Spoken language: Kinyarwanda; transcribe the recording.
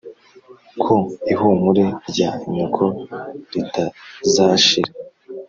ko ihumure rya nyoko ritazashira